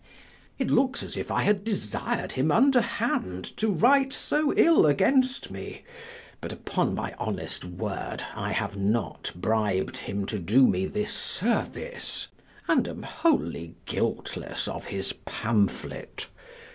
It looks as if I had desir'd him underhand to write so ill against me; but upon my honest word I have not brib'd him to do me this service, and am wholly guiltless of his pamphlet.